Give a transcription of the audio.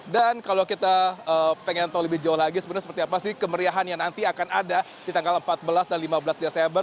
dan kalau kita ingin tahu lebih jauh lagi sebenarnya seperti apa sih kemeriahan yang nanti akan ada di tanggal empat belas dan lima belas desember